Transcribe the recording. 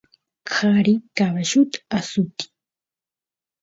qari caballut asutiy